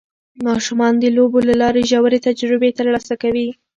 ماشومان د لوبو له لارې ژورې تجربې ترلاسه کوي